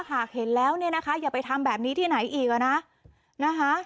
หากเห็นแล้วเนี่ยนะคะอย่าไปทำแบบนี้ที่ไหนอีกอ่ะนะนะคะ